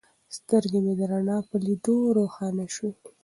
سترګې مې د رڼا په لیدلو روښانه شوې.